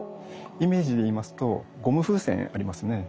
イメージでいいますとゴム風船ありますね